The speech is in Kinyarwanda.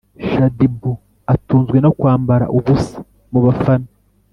Shadibu atunzwe nokwambara ubusa mubafana